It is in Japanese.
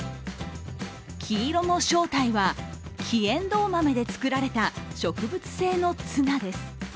黄色の正体は、黄エンドウ豆で作られた植物性のツナです。